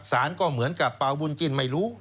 สารก็เหมือนกับเปล่าบุญจิ้นไม่รู้